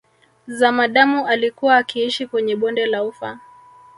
Zamadamu alikuwa akiishi kwenye bonde la Ufa